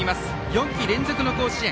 ４季連続の甲子園。